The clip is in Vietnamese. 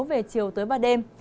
về chiều tối và đêm